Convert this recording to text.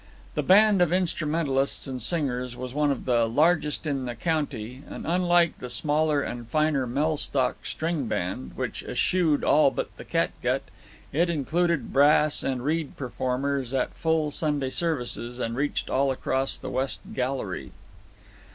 The band of instrumentalists and singers was one of the largest in the county; and, unlike the smaller and finer Mellstock string band, which eschewed all but the catgut, it included brass and reed performers at full Sunday services, and reached all across the west gallery.